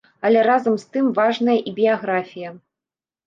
Але разам з тым важная і біяграфія.